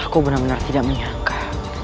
aku benar benar tidak menyangka